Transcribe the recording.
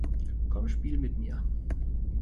Komm, spiel mit mir!